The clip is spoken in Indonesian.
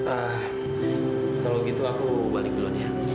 ah kalau gitu aku balik belon ya